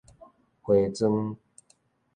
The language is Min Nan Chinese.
花磚